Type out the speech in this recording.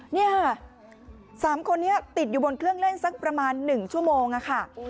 นี่ค่ะ๓คนนี้ติดอยู่บนเครื่องเล่นสักประมาณ๑ชั่วโมงค่ะ